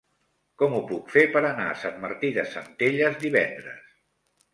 Com ho puc fer per anar a Sant Martí de Centelles divendres?